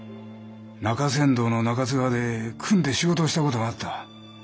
中山道の中津川で組んで仕事をした事があった。